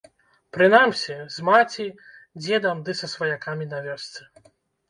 Прынамсі, з маці, дзедам ды са сваякамі на вёсцы.